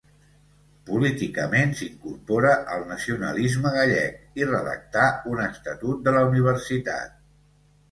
Políticament s'incorpora al nacionalisme gallec i redactà un estatut de la universitat.